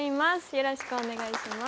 よろしくお願いします。